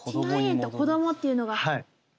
１万円と子どもっていうのが。